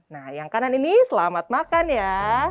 nah yang kanan ini selamat makan ya